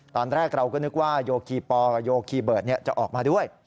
ตอนแรกเราก็นึกว่าโยคีปอลกับโยคีเบิร์ตจะออกมาด้วย